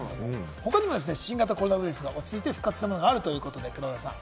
ほかにも新型コロナウイルスが落ち着いて、復活したものがあるということですね、黒田さん。